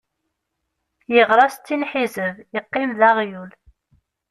Yeɣra settin ḥizeb, yeqqim d aɣyul.